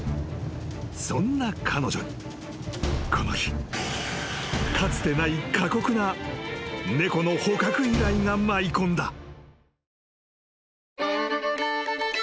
［そんな彼女にこの日かつてない過酷な猫の捕獲依頼が舞い込んだ］